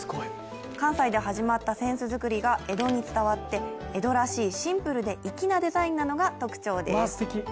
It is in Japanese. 関西で始まった扇子作りが江戸に伝わって、江戸らしいシンプルで粋なデザインなのが特徴です。